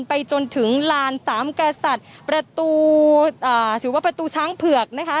ไปจนถึงลานสามกษัตริย์ประตูช้างเผือกนะคะ